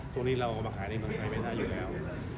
ช่วงนี้เราเอามาขายในเมืองไทยไม่ได้อยู่แล้ว